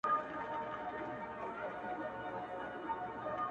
• ښه دی چي ته خو ښه يې، گوره زه خو داسي يم.